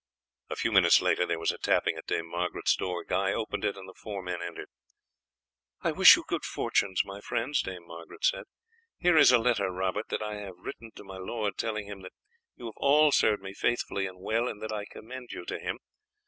A few minutes later there was a tapping at Dame Margaret's door; Guy opened it and the four men entered. "I wish you good fortunes, my friends," Dame Margaret said. "Here is a letter, Robert, that I have written to my lord telling him that you have all served me faithfully and well, and that I commend you to him.